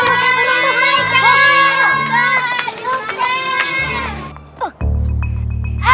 hai kak yuk kak